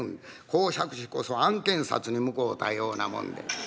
講釈師こそ暗剣殺に向こうたようなもんで。